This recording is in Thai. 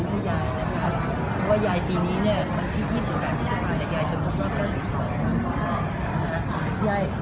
ว่ายายปีนี้เนี่ย